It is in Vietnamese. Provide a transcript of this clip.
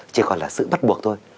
chỉ còn là sự bắt buộc thôi